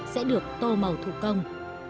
sẽ được tô màu thủ công